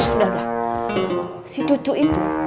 udah udah si cucu itu